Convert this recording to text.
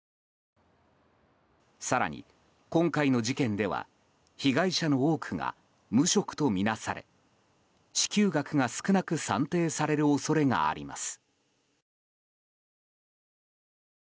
更に今回の事件では被害者の多くが無職とみなされ支給額が少なく算定される恐れがあります。